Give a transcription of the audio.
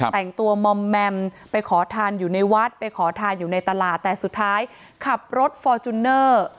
แต่งตัวมอมแมมไปขอทานอยู่ในวัดไปขอทานอยู่ในตลาดแต่สุดท้ายขับรถฟอร์จูเนอร์